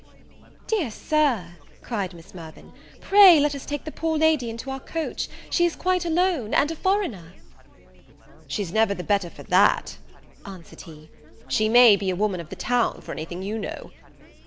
"Dear Sir," cried Miss Mirvan, "pray let us take the poor lady into our coach. She is quite alone, and a foreigner " "She's never the better for that," answered he: "she may be a woman of the town, for anything you know."